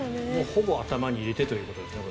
ほぼ頭に入れてということですかね。